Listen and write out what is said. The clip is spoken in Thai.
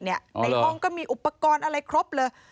ในห้องก็มีอุปกรณ์อะไรครบเลย